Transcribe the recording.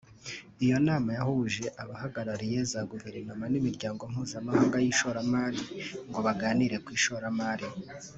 Iyo nama yahuje abahagarariye za guverinoma n’imiryango mpuzamahanga y’ishoramari ngo baganire ku ishoramari